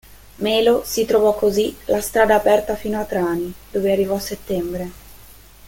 Melo si trovò così la strada aperta fino a Trani, dove arrivò a settembre.